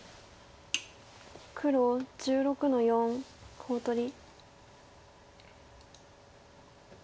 黒１６の四コウ取り。